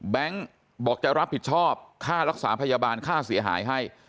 บอกจะรับผิดชอบค่ารักษาพยาบาลค่าเสียหายให้